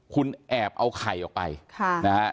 คุณแอบเอาไข่ออกไปนะฮะ